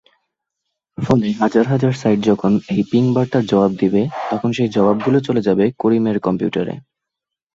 ফলে হাজার হাজার সাইট যখন এই পিং বার্তার জবাব দিবে, তখন সেই জবাব গুলো চলে যাবে করিমের কম্পিউটারে।